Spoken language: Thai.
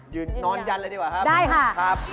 ยืนยันนอนยันเลยดีกว่าครับนะครับครับได้ค่ะ